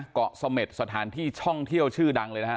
เกาะเสม็ดสถานที่ช่องเที่ยวชื่อดังเลยนะฮะ